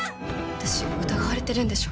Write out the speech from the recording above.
私疑われてるんでしょ？